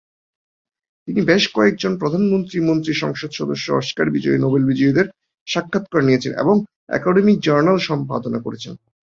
তিনি বেশ কয়েকজন প্রধানমন্ত্রী, মন্ত্রী, সংসদ সদস্য, অস্কার বিজয়ী, নোবেল বিজয়ীদের সাক্ষাৎকার নিয়েছেন এবং একাডেমিক জার্নাল সম্পাদনা করেছেন।